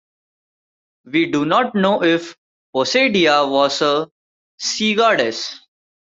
We do not know if "Posedeia" was a sea-goddess.